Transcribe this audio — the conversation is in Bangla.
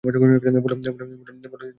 বললে, তাঁকে তো আমরা চিনি নে।